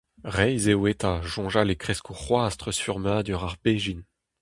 Reizh eo eta soñjal e kresko c'hoazh treuzfurmadur ar bezhin.